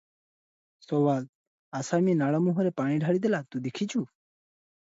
ସୱାଲ - ଆସାମୀ ନାଳ ମୁହଁରେ ପାଣି ଢାଳି ଦେଲା, ତୁ ଦେଖିଛୁ?